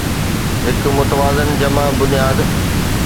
هڪ متوازن جمع بنياد